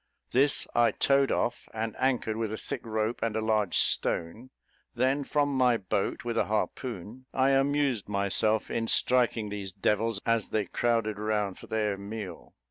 This I towed off, and anchored with a thick rope and a large stone; then, from my boat, with a harpoon, I amused myself in striking these devils as they crowded round for their meal.